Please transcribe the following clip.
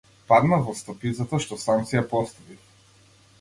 Паднав во стапицата што сам си ја поставив.